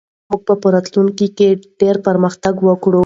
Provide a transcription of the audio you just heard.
موږ به په راتلونکي کې ډېر پرمختګ وکړو.